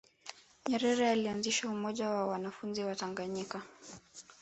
nyerere alianzisha umoja wa wanafunzi wa tanganyika